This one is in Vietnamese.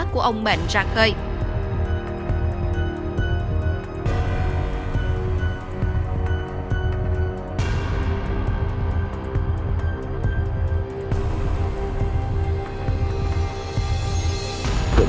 của ông mệnh ra cây